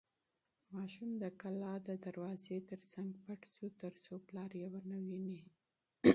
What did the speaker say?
ماشوم د کلا د دروازې تر څنګ پټ شو ترڅو پلار یې ونه ویني.